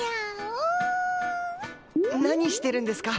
何してるんですか？